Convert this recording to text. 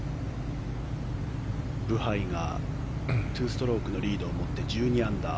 ブハイが２ストロークのリードをもって１２アンダー。